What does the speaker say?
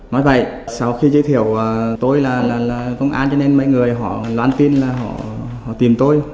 nói vậy sau khi giới thiệu tôi là công an cho nên mấy người họ loan tin là họ tìm tôi